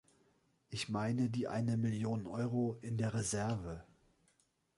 Ich meine die eine Million Euro in der Reserve.